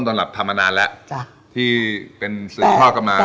ทำมานานแล้วที่เป็นสื่อครอบครัวมา